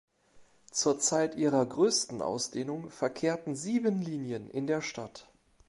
Zur Zeit ihrer größten Ausdehnung verkehrten sieben Linien in der Stadt.